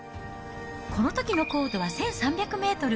このときの高度は１３００メートル。